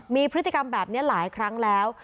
มีพฤติกรรมแบบนี้หลายครั้งแล้ว